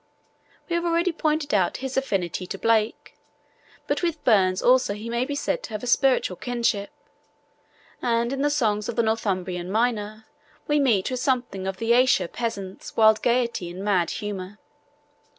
We have already pointed out his affinity to Blake, but with Burns also he may be said to have a spiritual kinship, and in the songs of the Northumbrian miner we meet with something of the Ayrshire peasant's wild gaiety and mad humour.